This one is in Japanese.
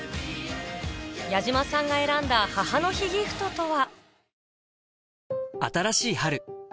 矢島さんが選んだ母の日ギフトとは？